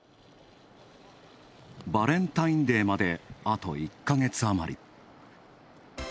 バレンタインデーまで、あと１か月あまり。